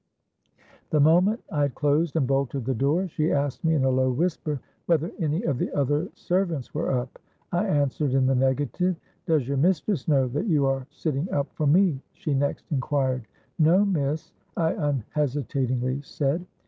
The moment I had closed and bolted the door, she asked me in a low whisper, whether any of the other servants were up. I answered in the negative.—'Does your mistress know that you are sitting up for me?' she next inquired.—'No, Miss,' I unhesitatingly said.